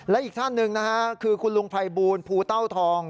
และอีกท่านหนึ่งนะฮะคือคุณลุงภัยบูลภูเต้าทอง